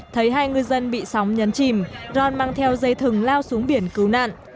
thấy hai ngư dân bị sóng nhấn chìm ron mang theo dây thừng lao xuống biển cứu nạn